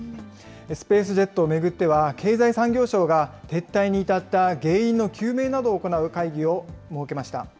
スペースジェットを巡っては、経済産業省が撤退に至った原因の究明などを行う会議を設けました。